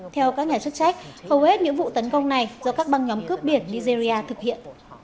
theo các nhà chức trách hầu hết những vụ tấn công này do các băng nhóm cướp biển nigeria thực hiện